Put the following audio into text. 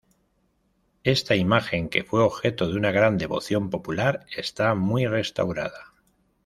Esta imagen, que fue objeto de una gran devoción popular, está muy restaurada.